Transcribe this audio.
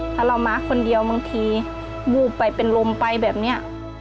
ถ้าเรามาคนเดียวบางทีวูบไปเป็นลมไปแบบนี้